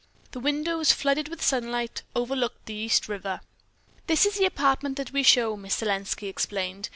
The windows, flooded with sunlight, overlooked the East River. "This is the apartment that we show," Miss Selenski explained.